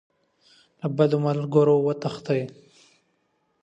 له بدو ملګرو وتښتئ.